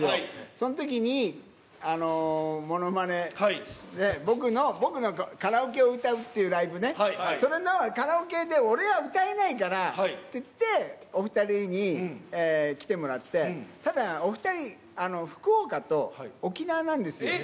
そんときに、ものまねで、僕の、カラオケを歌うっていうライブで、それのカラオケで、俺は歌えないからっていって、お２人に来てもらって、ただ、お２人、福岡と沖縄なんですよ。